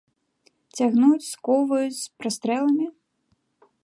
Цягнуць, скоўваюць, з прастрэламі?